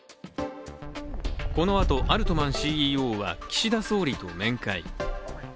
このあと、アルトマンＣＥＯは岸田総理と面会。